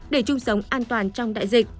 để chung sống an toàn trong đại dịch